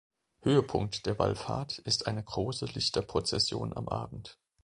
Höhepunkt der Wallfahrt ist eine große Lichterprozession am Abend.